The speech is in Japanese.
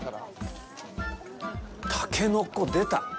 タケノコ、出た！